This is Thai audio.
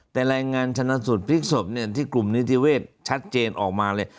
แต่รายงานชนสุดภิกษบเนี่ยที่กลุ่มนิทิเวศชัดเจนออกมาเลย